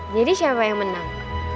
jadi siapa yang menang